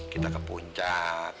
kita ke puncak